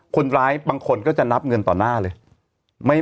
บางคนก็จะนับเงินต่อหน้าเลย